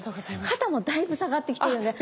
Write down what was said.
肩もだいぶ下がってきてるんで。